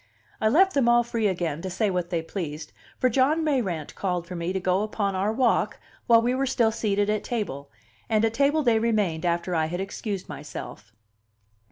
I left them all free again to say what they pleased; for John Mayrant called for me to go upon our walk while we were still seated at table, and at table they remained after I had excused myself.